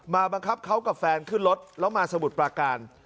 บังคับเขากับแฟนขึ้นรถแล้วมาสมุทรปราการ